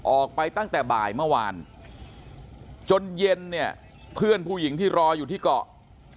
ออกไปตั้งแต่บ่ายเมื่อวานจนเย็นเนี่ยเพื่อนผู้หญิงที่รออยู่ที่เกาะ